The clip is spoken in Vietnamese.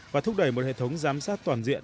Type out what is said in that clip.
và thúc đẩy một hệ thống giám sát toàn diện